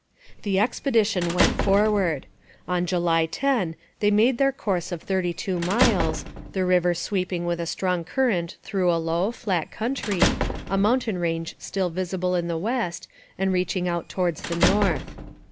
The expedition went forward. On July 10, they made a course of thirty two miles, the river sweeping with a strong current through a low, flat country, a mountain range still visible in the west and reaching out towards the north.